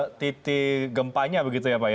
untuk titik gempanya begitu ya pak ya